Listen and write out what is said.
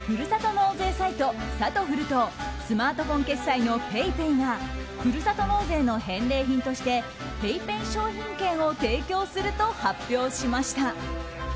ふるさと納税サイトさとふるとスマートフォン決済のＰａｙＰａｙがふるさと納税の返礼品としてＰａｙＰａｙ商品券を提供すると発表しました。